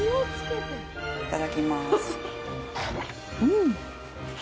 いただきます。